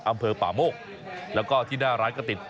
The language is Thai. อำเภอป่าโมกแล้วก็ที่หน้าร้านก็ติด